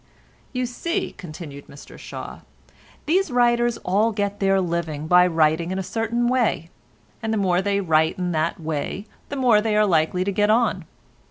"You see," continued Mr Shaw, "these writers all get their living by writing in a certain way, and the more they write in that way, the more they are likely to get on.